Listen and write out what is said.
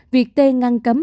việc t ngăn cấm